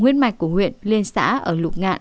nguyên mạch của huyện liên xã ở lục ngạn